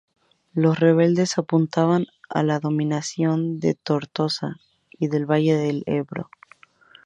Los rebeldes apuntaban a la dominación de Tortosa y del valle del Ebro.